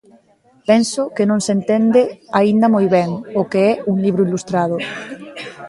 Penso que non se entende aínda moi ben o que é un libro ilustrado.